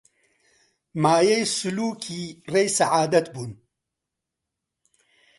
مایەی سولووکی ڕێی سەعادەت بوون